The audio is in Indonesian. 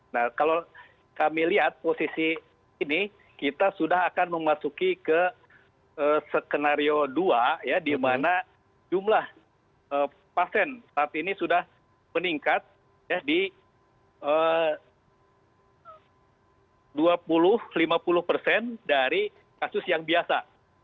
nah kalau kami lihat posisi ini kita sudah akan memasuki ke skenario dua ya di mana jumlah pasien saat ini sudah meningkat di dua puluh lima puluh persen dari kasus yang biasa